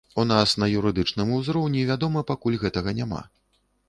У нас на юрыдычным узроўні, вядома, пакуль гэтага няма.